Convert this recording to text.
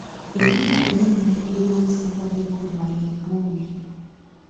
Erinnya ery’ennono ery’owessaza ly’e Buvuma ye Mbuubi.